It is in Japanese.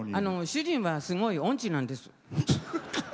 主人は、すごい音痴なんです。